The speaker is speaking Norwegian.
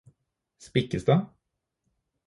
Spikkestad